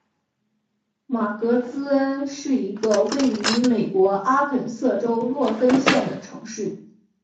马格兹恩是一个位于美国阿肯色州洛根县的城市。